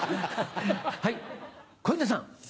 はい小遊三さん。